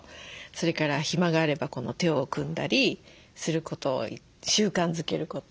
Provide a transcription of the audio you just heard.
それから暇があれば手を組んだりすることを習慣づけること。